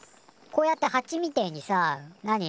こうやってハチみてえにさ何？